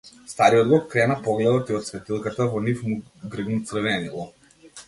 Стариот го крена погледот и од светилката во нив му гргна црвенило.